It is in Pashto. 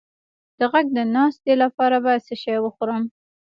د غږ د ناستې لپاره باید څه شی وخورم؟